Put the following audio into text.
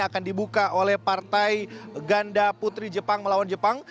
akan dibuka oleh partai ganda putri jepang melawan jepang